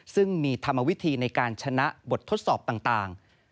ซึ่งมีธรรมวิธีในการชนะบททดสอบต่าง